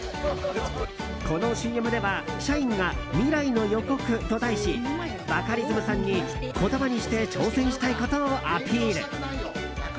このＣＭでは社員が、未来のヨコクと題しバカリズムさんに言葉にして挑戦したいことをアピール。